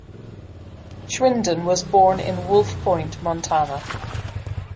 Schwinden was born in Wolf Point, Montana.